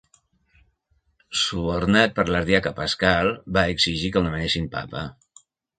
Subornat per l'ardiaca Paschal, va exigir que el nomenessin papa.